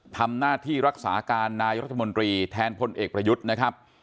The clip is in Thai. ทำหน้าที่รักษาการนายรัฐมนตรีแทนพลเอกประยุทธ์นะครับ